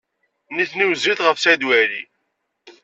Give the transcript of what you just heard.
Nitni wezzilit ɣef Saɛid Waɛli.